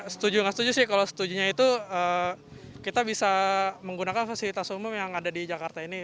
setuju nggak setuju sih kalau setujunya itu kita bisa menggunakan fasilitas umum yang ada di jakarta ini